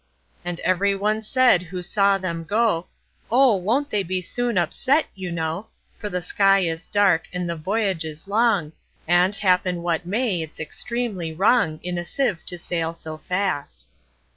And every one said who saw them go,"Oh! won't they be soon upset, you know:For the sky is dark, and the voyage is long; And, happen what may, it 's extremely wrongIn a sieve to sail so fast."